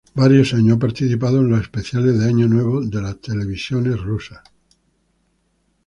Varios años ha participado en los especiales de año nuevo de las televisiones rusas.